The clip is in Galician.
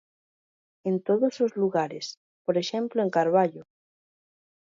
En todos os lugares, por exemplo en Carballo.